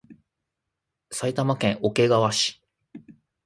埼玉県桶川市